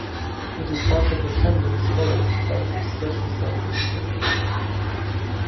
It is part of the Sandlings Forest Site of Special Scientific Interest.